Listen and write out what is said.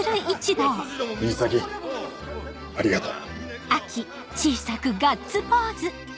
藤崎ありがとう。